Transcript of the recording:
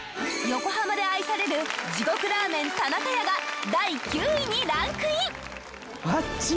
横浜で愛される地獄ラーメン田中屋が第９位にランクイン！